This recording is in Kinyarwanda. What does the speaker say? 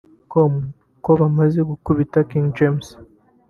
com ko bamaze gukubita King James